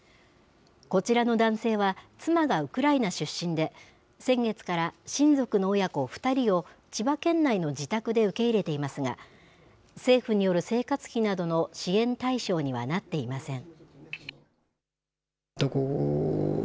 こちらの男性は、妻がウクライナ出身で、先月から親族の親子２人を、千葉県内の自宅で受け入れていますが、政府による生活費などの支援対象にはなっていません。